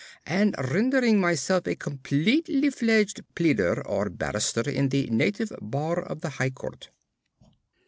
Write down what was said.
and rendering myself a completely fledged Pleader or Barrister in the Native Bar of the High Court.